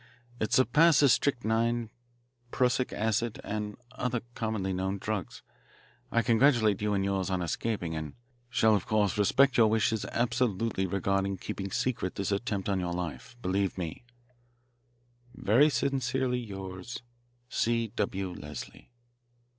It surpasses strychnine, prussic acid, and other commonly known drugs. I congratulate you and yours on escaping and shall of course respect your wishes absolutely regarding keeping secret this attempt on your life. Believe me, "Very sincerely yours, "C. W. LESLIE."